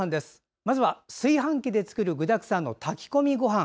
まずは、炊飯器で作る具だくさんの炊き込みごはん。